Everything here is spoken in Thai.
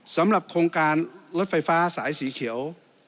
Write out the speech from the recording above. สำหรับโครงการรถไฟฟ้าสายสีเขียว